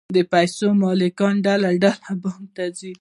د پیسو مالکان ډله ډله بانک ته ځي